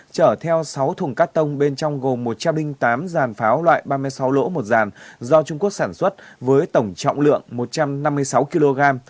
chở theo sáu thùng cắt tông bên trong gồm một trăm linh tám dàn pháo loại ba mươi sáu lỗ một giàn do trung quốc sản xuất với tổng trọng lượng một trăm năm mươi sáu kg